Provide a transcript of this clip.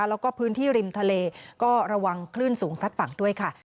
แล้วก็พื้นที่ริมทะเลก็ระวังคลื่นสูงซัดฝั่งด้วยค่ะ